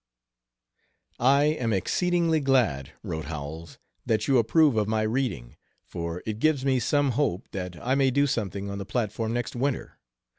"I am exceedingly glad," wrote Howells, "that you approve of my reading, for it gives me some hope that I may do something on the platform next winter....